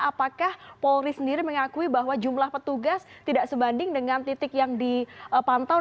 apakah polri sendiri mengakui bahwa jumlah petugas tidak sebanding dengan titik yang dipantau